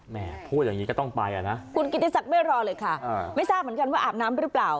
พูดอย่างนี้ก็ต้องไปอ่ะนะคุณกิติศักดิ์ไม่รอเลยค่ะไม่ทราบเหมือนกันว่าอาบน้ำหรือเปล่า